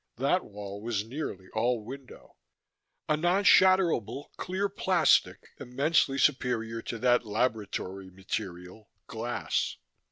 That wall was nearly all window, a non shatterable clear plastic immensely superior to that laboratory material, glass.